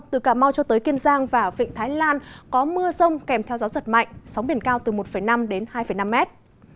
theo gió giật mạnh sóng biển cao từ một năm đến hai năm mét